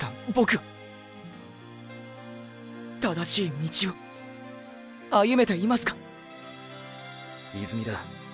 はーー正しい道を歩めていますか泉田。